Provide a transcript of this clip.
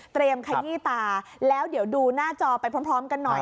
ขยี้ตาแล้วเดี๋ยวดูหน้าจอไปพร้อมกันหน่อย